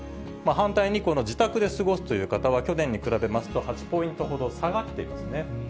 反対にこの自宅で過ごすという方は、去年に比べますと８ポイントほど下がっていますね。